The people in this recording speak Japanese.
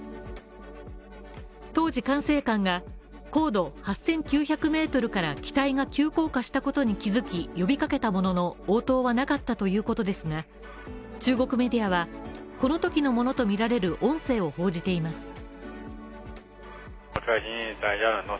当時、管制官が高度８９００ｍから機体が急降下したことに気づき呼びかけたものの応答はなかったということですが、中国メディアは、このときのものとみられる音声を報じています。